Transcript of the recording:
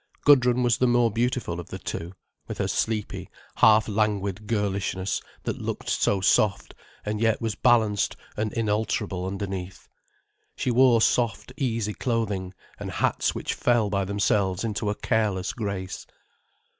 Gudrun was the more beautiful of the two, with her sleepy, half languid girlishness that looked so soft, and yet was balanced and inalterable underneath. She wore soft, easy clothing, and hats which fell by themselves into a careless grace.